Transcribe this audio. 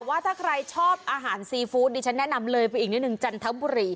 ว่าถ้าใครชอบอาหารซีฟู้ดดิฉันแนะนำเลยไปอีกนิดนึงจันทบุรี